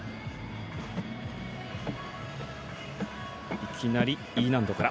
いきなりＥ難度から。